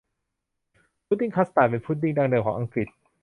พุดดิ้งคัสตาร์ดเป็นพุดดิ้งดั้งเดิมของอังกฤษ